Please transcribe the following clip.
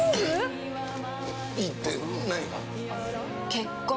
いいって、何が？